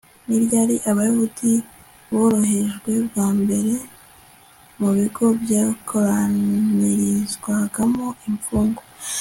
ni ryari abayahudi boherejwe bwa mbere mu bigo byakoranyirizwagamo imfungwa